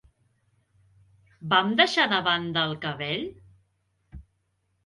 Vam deixar de banda el cabell?